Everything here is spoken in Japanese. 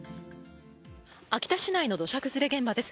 秋田市内の土砂崩れ現場です。